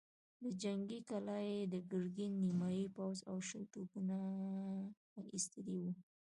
له جنګي کلا يې د ګرګين نيمايي پوځ او شل توپونه ايستلي ول.